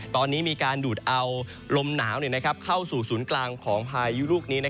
ตอนนี้มีการดูดเอาลมหนาวเข้าสู่ศูนย์กลางของพายุลูกนี้